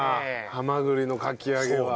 ハマグリのかき揚げは。